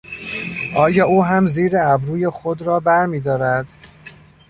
آیا او هم زیر ابروی خود را بر میدارد؟